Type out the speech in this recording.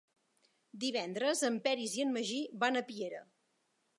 Divendres en Peris i en Magí van a Piera.